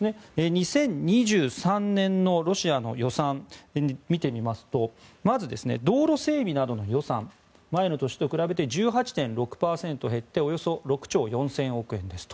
２０２３年のロシアの予算見てみますとまず道路整備などの予算前の年と比べて１８．６％減っておよそ６兆４０００億円ですと。